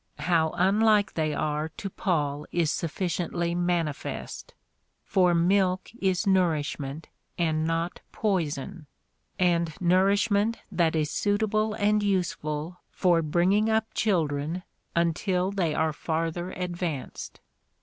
How unlike they are to Paul is suffi ciently manifest ; for milk is nourishment and not poison, and nourishment that is suitable and useful for bringing up children until they are farther advanced.